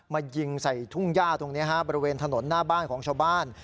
มายิงใส่ทุ่งย่าตรงนี้ฮะบริเวณถนนหน้าบ้านของชาวบ้าน